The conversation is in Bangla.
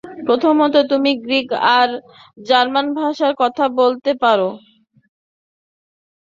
প্রথমত, তুমি গ্রীক আর জার্মান ভাষায় কথা বলতে পারো।